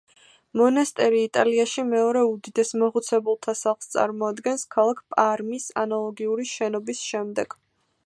მონასტერი იტალიაში მეორე უდიდეს მოხუცებულთა სახლს წარმოადგენს ქალაქ პარმის ანალოგიური შენობის შემდეგ.